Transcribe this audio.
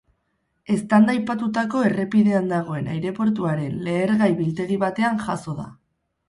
Eztanda aipatutako errepidean dagoen aireportuaren lehergai biltegi batean jazo da.